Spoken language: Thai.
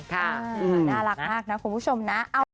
น่ารักมากนะคุณผู้ชมนะ